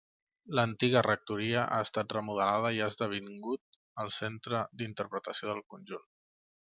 L'antiga rectoria ha estat remodelada i ha esdevingut el centre d'interpretació del conjunt.